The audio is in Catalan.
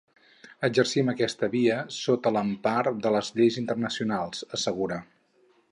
Exercim aquesta via sota l’empara de les lleis internacionals, assegura.